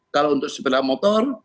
kalau untuk sepeda motor